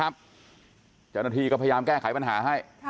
ครับเจาะนาทีจะพยายามแก้ไขปัญหาให้